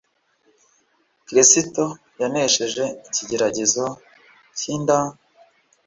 Kristo yanesheje ikigeragezo cy'inda,